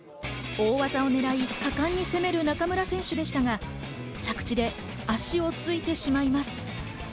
大技を狙い、果敢に攻める中村選手でしたが、着地で足をついてしまいます。